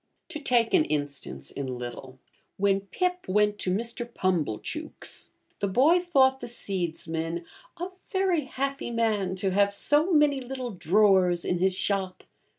To take an instance in little: when Pip went to Mr. Pumblechook's, the boy thought the seedsman 'a very happy man to have so many little drawers in his shop.'